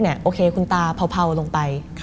มันกลายเป็นรูปของคนที่กำลังขโมยคิ้วแล้วก็ร้องไห้อยู่